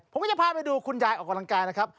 ผมก็จะพาไปดูคุณยายออกกำลังกายนะครับ